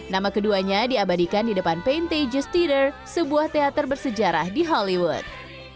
nama keduanya diabadikan di depan paintage teater sebuah teater bersejarah di hollywood